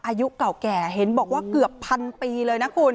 อายุเก่าแก่เห็นบอกว่าเกือบพันปีเลยนะคุณ